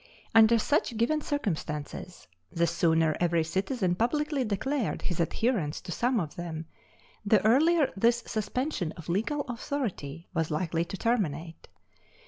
Under such given circumstances, the sooner every citizen publicly declared his adherence to some of them, the earlier this suspension of legal authority was likely to terminate.